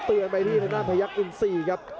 เตือนไปที่หน้าพยักอินซีครับ